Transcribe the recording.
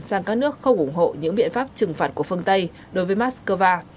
sang các nước không ủng hộ những biện pháp trừng phạt của phương tây đối với moscow